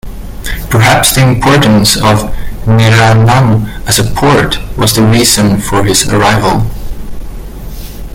Perhaps the importance of Niranam as a port was the reason for his arrival.